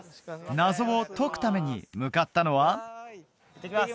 謎を解くために向かったのはいってきます